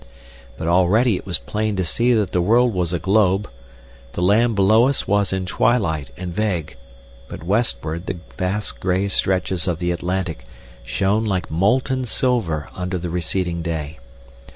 But already it was plain to see that the world was a globe. The land below us was in twilight and vague, but westward the vast grey stretches of the Atlantic shone like molten silver under the receding day.